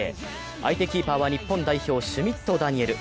相手キーパーは日本代表、シュミット・ダニエル。